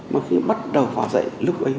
mà khi bắt đầu họ dạy lúc ấy